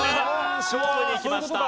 勝負にいきました。